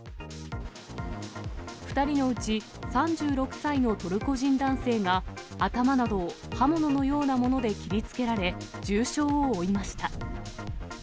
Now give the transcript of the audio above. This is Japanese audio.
２人のうち、３６歳のトルコ人男性が、頭などを刃物のようなもので切りつけられ、重傷を負いました。